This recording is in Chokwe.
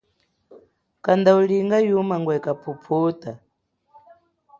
Kanda ulinga yuma ngwe kaphuphuta.